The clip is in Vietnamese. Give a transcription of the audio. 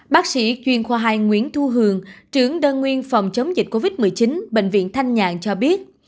bác sĩ chuyên khoa hai nguyễn thu hường trưởng đơn nguyên phòng chống dịch covid một mươi chín bệnh viện thanh nhàn cho biết